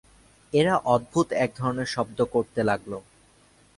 এরা অদ্ভুত একধরনের শব্দ করতে লাগল!